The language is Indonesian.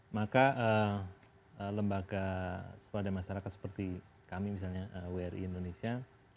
maka lembaga swada masyarakat seperti kami misalnya wri indonesia